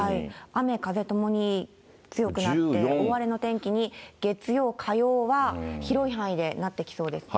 雨風ともに強くなって、大荒れの天気に、月曜、火曜は広い範囲でなってきそうですね。